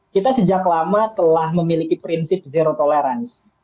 kita sejak lama telah memiliki prinsip zero tolerance